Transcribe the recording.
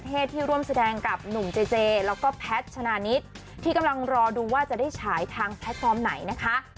ที่กำลังรอดูว่าจะได้ฉายทางแพลตฟอร์มไหนนะคะ